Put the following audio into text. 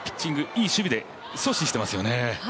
いい守備で阻止していますよね。